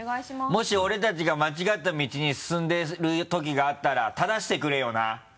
もし俺たちが間違った道に進んでる時があったら正してくれよな。